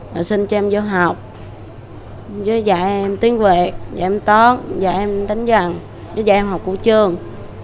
rồi xin cho em vô học với dạy em tiếng việt dạy em tóng dạy em đánh giằng với dạy em học của trường